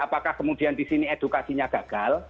apakah kemudian di sini edukasinya gagal